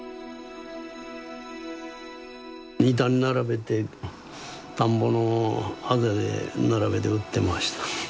板に並べて田んぼのあぜで並べて売ってました。